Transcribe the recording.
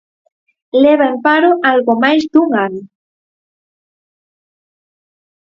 Leva en paro algo máis dun ano.